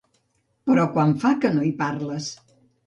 Però quan fa que no hi parles?